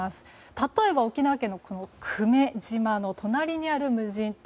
例えば沖縄県の久米島の隣にある無人島。